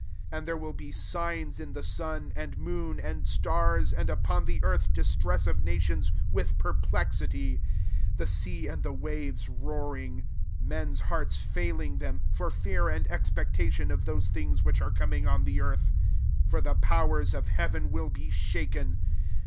25 "And there will be signs in the sun, and moon, and stars ; and upon the earth, distress of nations, with perplexity ; the sea and the waves roaring ; 26 men's hearts failing them, for fear and expectation of those things which are coming on the earth ; for the powers of hea ven will be shaken.